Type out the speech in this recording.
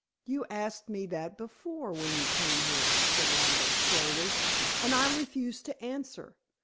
"You asked me that before when you came here," said Lambert, slowly. "And I refused to answer.